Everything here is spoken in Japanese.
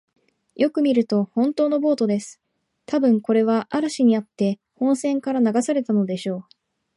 よく見ると、ほんとのボートです。たぶん、これは嵐にあって本船から流されたのでしょう。